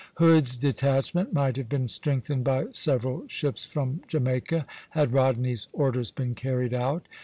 Hood's detachment might have been strengthened by several ships from Jamaica, had Rodney's orders been carried out.